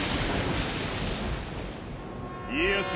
家康！